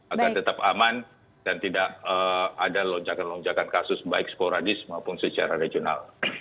agar tetap aman dan tidak ada lonjakan lonjakan kasus baik sporadis maupun secara regional